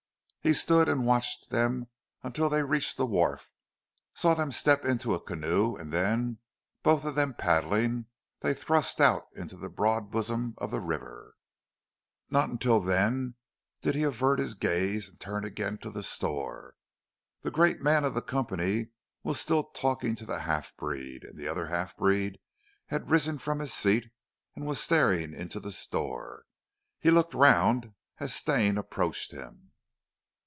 He stood and watched them until they reached the wharf, saw them step into a canoe, and then, both of them paddling, they thrust out to the broad bosom of the river. Not till then did he avert his gaze, and turn again to the store. The great man of the company was still talking to the half breed, and the other half breed had risen from his seat and was staring into the store. He looked round as Stane approached him.